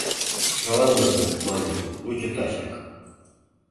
Шаланыза, маньым, лучо тачак!